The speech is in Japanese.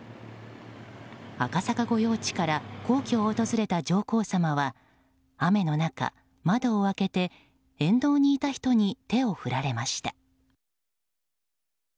赤坂御用地から皇居を訪れた上皇さまは雨の中、窓を開けて沿道にいた人に手を振られました。